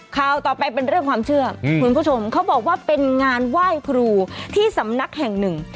ข่าวต่อไปเป็นเรื่องความเชื่อคุณผู้ชมเขาบอกว่าเป็นงานไหว้ครูที่สำนักแห่งหนึ่ง